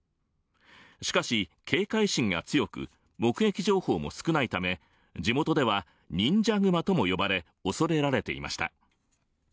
しかし警戒心が強く目撃情報も少ないため地元では忍者グマとも呼ばれ恐れられていました